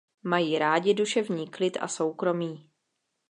Mají rádi duševní klid a soukromí.